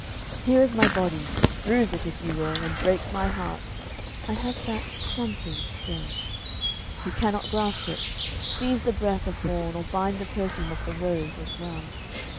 Here is my body; bruise it, if you will, And break my heart; I have that something still. You cannot grasp it. Seize the breath of morn Or bind the perfume of the rose, as well.